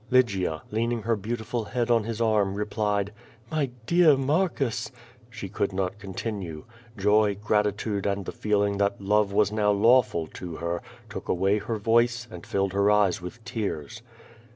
Lygia, leaning her beautiful head on his arm, replied: "Jly dear Marcus —" She could not continue. Joy, grat itude and the feeling that love was now lawful to her, took away her voice and filled her eyes with tears.